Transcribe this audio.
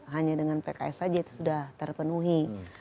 hanya dengan pks saja itu sudah terpenuhi